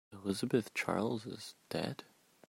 Elizabeth Charles is dead.